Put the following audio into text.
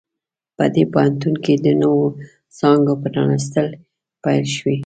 په دې پوهنتون کې د نوو څانګو پرانیستل پیل شوي